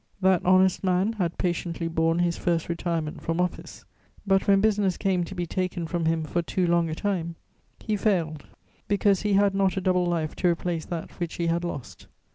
That honest man had patiently borne his first retirement from office; but, when business came to be taken from him for too long a time, he failed because he had not a double life to replace that which he had lost.